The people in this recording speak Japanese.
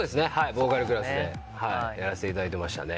ボーカルクラスでやらせていただいてましたね。